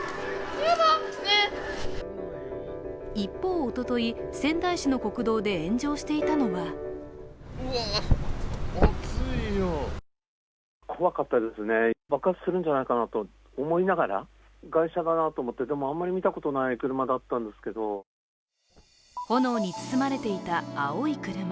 一方、おととい、仙台市の国道で炎上していたのは炎に包まれていた青い車。